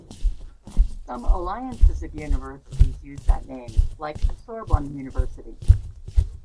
Some alliances of universities use that name, like Sorbonne University.